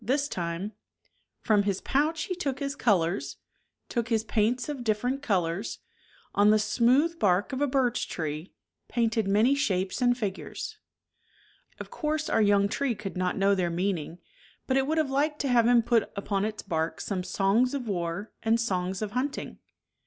This time From his pouch he took his colors. Took his paints of different colors, On the smooth bark of a birch tree Painted many shapes and figures. Of course our young tree could not know their meaning, but it would have liked to have him put upon its bark some Songs of war and songs of hunting.